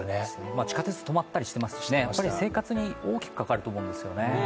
地下鉄止まったりしてますしね、生活に大きく関わると思うんですよね。